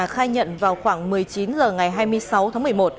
khai nhận vào khoảng một mươi chín h ngày hai mươi sáu tháng một mươi một